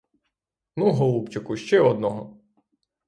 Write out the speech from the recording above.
Ну, голубчику, ще одного!